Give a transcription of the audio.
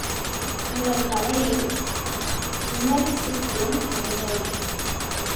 உங்கள் கலையை விமரிசித்தேன் என்றான்.